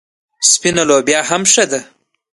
سپینه لوبیا هم ښه ده.